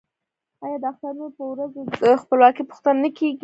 آیا د اخترونو په ورځو کې د خپلوانو پوښتنه نه کیږي؟